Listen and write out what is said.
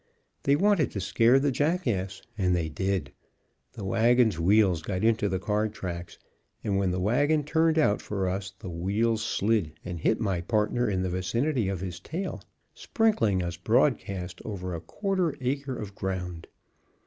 They wanted to scare the jackass, and they did. The wagon wheels got into the car tracks, and when the wagon turned out for us the wheels slid, and hit my partner in the vicinity of his tail, sprinkling us broadcast over a quarter acre of ground.